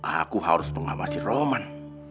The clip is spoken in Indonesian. aku harus mengamasi roman